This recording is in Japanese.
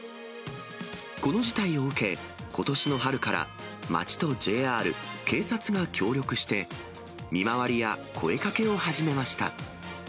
この事態を受け、ことしの春から、町とＪＲ、警察が協力して、見回りや声かけを始めました。